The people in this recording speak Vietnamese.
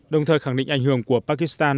đồng thời khẳng định ảnh hưởng của pakistan